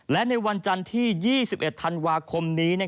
และในวันจันทร์ที่๒๑ธันวาคมนี้